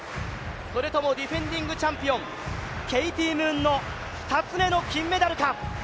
それともディフェンディングチャンピオンケイティ・ムーンの２つ目の金メダルか。